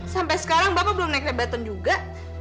sampai sekarang bapak belum naik jabatan juga